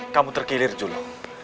kamu terkilir jelung